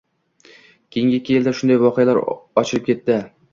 Keyingi ikki yilda shunday voqealar ochilib ketdi.